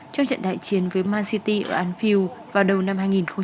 trong trận đại chiến với man city ở anfield vào đầu năm hai nghìn một mươi bảy